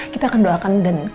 kita akan doakan dan